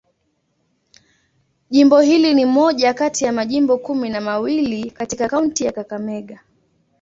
Jimbo hili ni moja kati ya majimbo kumi na mawili katika kaunti ya Kakamega.